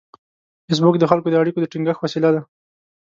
فېسبوک د خلکو د اړیکو د ټینګښت وسیله ده